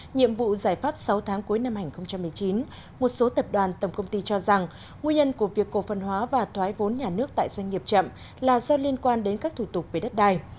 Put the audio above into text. nhiệm vụ giải pháp sáu tháng cuối năm hai nghìn một mươi chín một số tập đoàn tổng công ty cho rằng nguyên nhân của việc cổ phân hóa và thoái vốn nhà nước tại doanh nghiệp chậm là do liên quan đến các thủ tục về đất đai